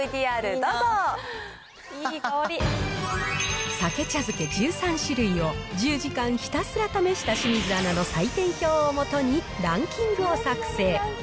ＶＴＲどうぞ。さけ茶漬け１３種類を１０時間ひたすら試した清水アナの採点表を基に、ランキングを作成。